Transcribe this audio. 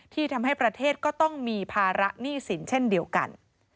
ที่ทำให้ประเทศก็ต้องมีภาระหนี้สินเช่นเดียวกัน